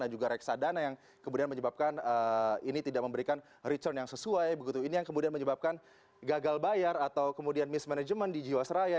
dan juga reksadana yang kemudian menyebabkan ini tidak memberikan return yang sesuai begitu ini yang kemudian menyebabkan gagal bayar atau kemudian mismanagement di jiwasraya